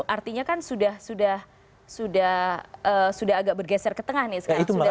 artinya kan sudah agak bergeser ke tengah nih sekarang